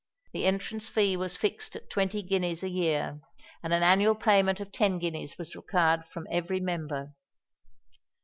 The entrance fee was fixed at twenty guineas a year; and an annual payment of ten guineas was required from every member.